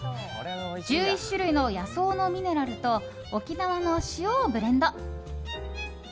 １１種類の野草のミネラルと沖縄の塩をブレンド。